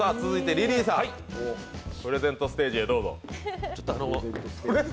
続いてリリーさん、プレゼントステージへどうぞ。